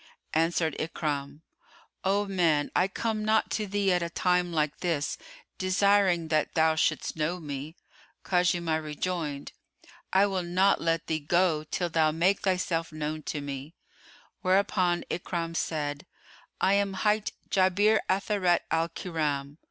Answered Ikrimah, "O man I come not to thee at a time like this desiring that thou shouldst know me." Khuzaymah rejoined, "I will not let thee go till thou make thyself known to me," whereupon Ikrimah said "I am hight Jabir Atharat al Kiram."